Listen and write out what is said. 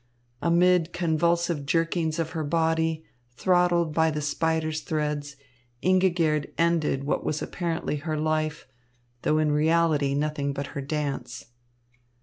Amid convulsive jerkings of her body, throttled by the spider's threads, Ingigerd ended what was apparently her life, though in reality nothing but her dance.